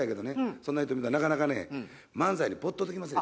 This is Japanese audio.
そんな人見たらなかなかね漫才に没頭できません。